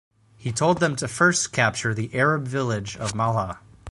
He told them to first capture the Arab village of Malha.